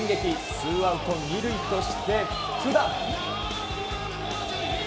ツーアウト２塁として福田。